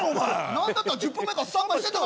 なんだったら１０分前からスタンバイしてた。